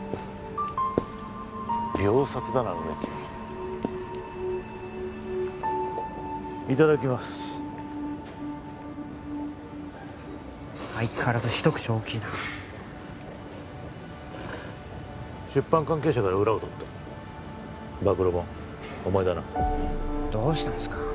秒殺だな梅木いただきます相変わらず一口大きいな出版関係者から裏を取った暴露本お前だなどうしたんすか？